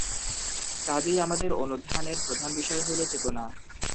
কাজেই আমাদের অনুধ্যানের প্রধান বিষয় হইল চেতনা।